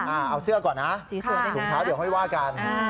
เอาเสื้อก่อนนะถุงเท้าเดี๋ยวค่อยว่ากัน